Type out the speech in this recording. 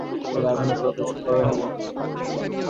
তুমি এখনো প্রবেশ করনি?